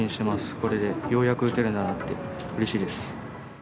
これでようやく打てるなって、うれしいです。